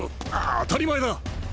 あ当たり前だ！